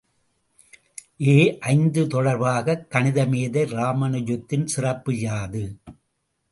ஏ ஐந்து தொடர்பாகக் கணிதமேதை இராமானுஜத்தின் சிறப்பு யாது?